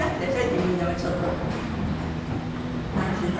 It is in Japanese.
自分でもちょっと。なんていうの？